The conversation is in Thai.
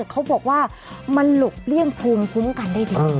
เขาบอกว่ามันหลบเลี่ยงภูมิคุ้มกันได้ดี